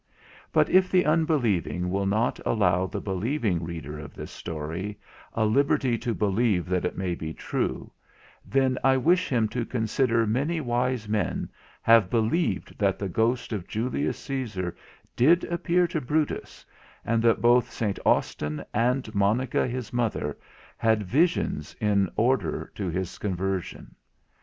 But if the unbelieving will not allow the believing reader of this story, a liberty to believe that it may be true, then I wish him to consider many wise men have believed that the ghost of Julius Cæsar did appear to Brutus, and that both St. Austin, and Monica his mother, had visions in order to his conversion.